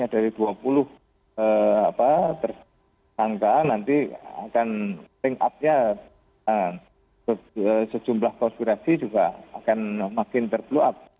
dari dua puluh tersangka nanti akan ring up nya sejumlah konspirasi juga akan makin ter blue up